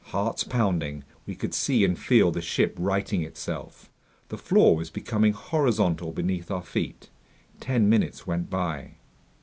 Hearts pounding, we could see and feel the ship righting itself. The floor was becoming horizontal beneath our feet. Ten minutes went by.